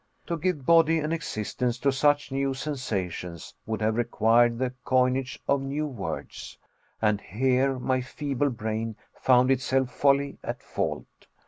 To give body and existence to such new sensations would have required the coinage of new words and here my feeble brain found itself wholly at fault.